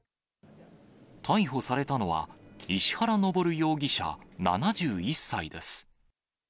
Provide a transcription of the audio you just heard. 逮捕されたのは、石原登容疑者７１歳です。